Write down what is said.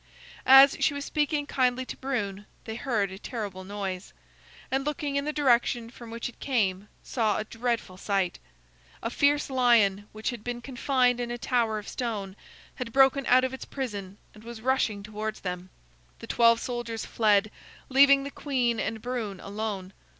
As she was speaking kindly to Brune, they heard a terrible noise, and looking in the direction from which it came, saw a dreadful sight. A fierce lion which had been confined in a tower of stone had broken out of its prison and was rushing towards them. The twelve soldiers fled, leaving the queen and Brune alone.